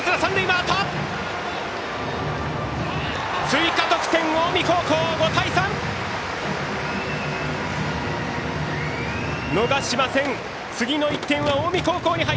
追加得点、近江高校５対３！